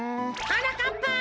はなかっぱ！